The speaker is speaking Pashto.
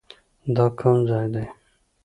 دا کوم ځاى دى.